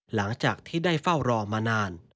หลังจากที่ได้เฝ้ารอมานาน